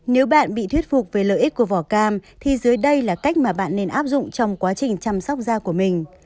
nếu bạn bị thuyết phục về lợi ích của vỏ cam thì dưới đây là cách mà bạn nên áp dụng trong quá trình chăm sóc da của mình